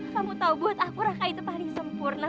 kamu tahu buat aku raka itu paling sempurna